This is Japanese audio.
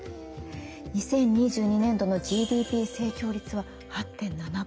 ２０２２年度のＧＤＰ成長率は８．７％。